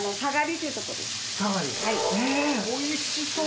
えおいしそう！